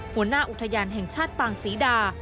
หัวหน้าอุทยานแห่งชาติปางศรีดา